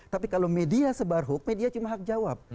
tapi kalau media sebar hook media cuma hak jawab